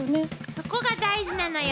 そこが大事なのよ。